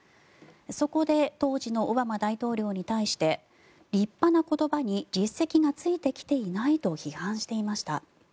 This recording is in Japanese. そこで当時のオバマ大統領に対して立派な言葉に実績がついてきていないと批判していました。